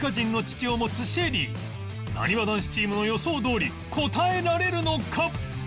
なにわ男子チームの予想どおり答えられるのか？